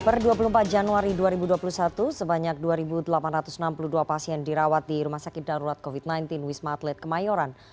per dua puluh empat januari dua ribu dua puluh satu sebanyak dua delapan ratus enam puluh dua pasien dirawat di rumah sakit darurat covid sembilan belas wisma atlet kemayoran